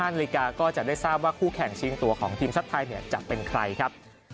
นาฬิกาก็จะได้ทราบว่าคู่แข่งชิงตัวของทีมชาติไทยจะเป็นใครครับ